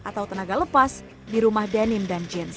atau tenaga lepas di rumah denim dan jeans